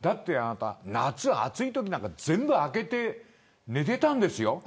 夏暑いときなんか全部開けて寝ていたんですよ。